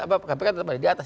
tapi pak kpk tetap ada di atas